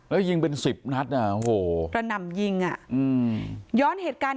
แล้วยิงเป็นสิบนัดอ่ะโอ้โหกระหน่ำยิงอ่ะอืมย้อนเหตุการณ์